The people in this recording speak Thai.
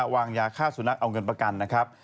วางยาฆ่าสุนัขเอาเงินประกันนะครับ